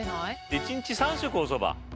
１日３食おそば？